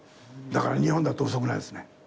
だから日本だって遅くないですね。